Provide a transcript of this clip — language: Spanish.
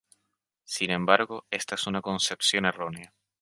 Sin embargo, esta es una concepción errónea.